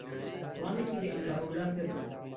وەڵامێکی بێ ئەملاوئەولام پێ بدە.